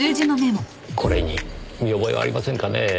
これに見覚えはありませんかねぇ？